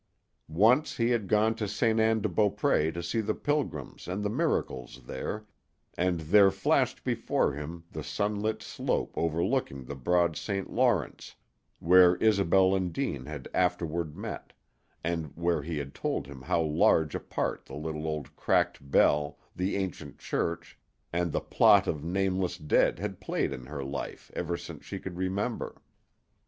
Once he had gone to Ste. Anne de Beaupré to see the pilgrims and the miracles there, and there flashed before him the sunlit slope overlooking the broad St. Lawrence, where Isobel and Deane had afterward met, and where she had told him how large a part the little old cracked bell, the ancient church, and the plot of nameless dead had played in her life ever since she could remember.